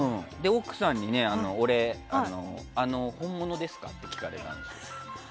奥さんに、俺本物ですか？って聞かれて。